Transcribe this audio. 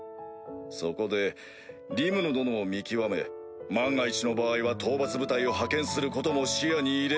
そこでリムル殿を見極め万が一の場合は討伐部隊を派遣することも視野に入れ